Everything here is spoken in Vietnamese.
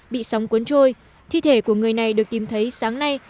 bị sóng cuốn trôi thi thể của người này được tìm thấy sáng nay